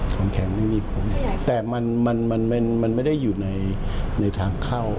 ของแข็งไม่มีผมแต่มันมันไม่ได้อยู่ในทางเข้า